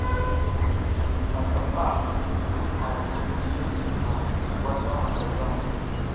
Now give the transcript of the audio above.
Assa ɓa tir hay ngi dubuna gwata a vra.